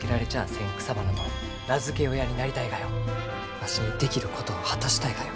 わしにできることを果たしたいがよ。